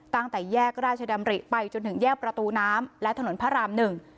ตั้งแต่แยกราชดำริไปจนถึงแยกประตูน้ำและถนนพระรามหนึ่ง